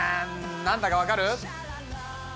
何だか分かる？